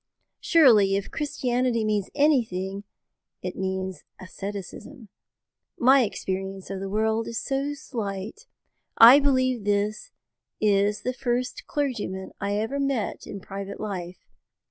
Surely, if Christianity means anything it means asceticism. My experience of the world is so slight. I believe this is the first clergyman I ever met in private life.